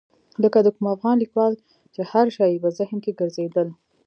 لکه د کوم افغان لیکوال چې هر څه یې په ذهن کې ګرځېدل.